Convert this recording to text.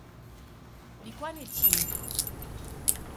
Dikwane chienyi